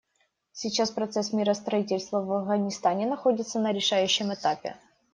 Сейчас процесс миростроительства в Афганистане находится на решающем этапе.